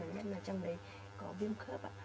nên là trong đấy có viêm khớp